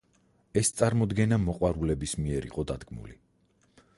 ეს წარმოდგენა მოყვარულების მიერ იყო დადგმული.